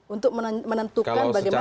untuk menentukan bagaimana